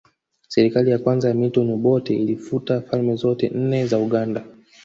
Serikali ya kwanza ya Milton Obote ilifuta falme zote nne za Uganda